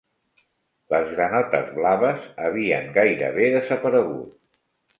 Les granotes blaves havien gairebé desaparegut